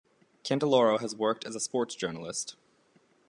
Candeloro has worked as a sports journalist.